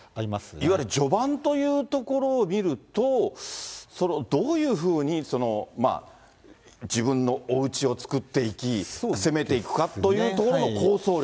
いわゆる序盤というところを見ると、どういうふうに自分のおうちを作っていき、攻めていくかというところの構想力。